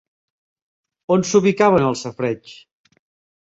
On s'ubicaven els safareigs?